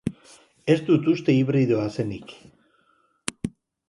Ez dut uste hibridoa zenik.